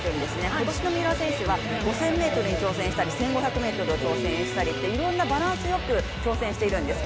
今年の三浦選手は５０００ｍに挑戦したり１５００ｍに挑戦したりって、いろんなバランスよく挑戦してるんです。